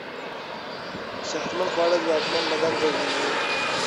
صحتمند خواړه ځواکمن بدن تضمينوي.